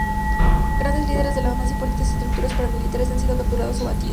Grandes líderes de las más importantes estructuras paramilitares han sido capturados o abatidos.